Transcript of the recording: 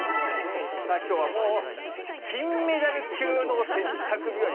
きょうはもう、金メダル級の洗濯日和。